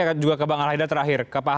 saya juga ke bang al haidar terakhir